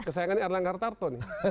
kesayangan ini erlangga artarto nih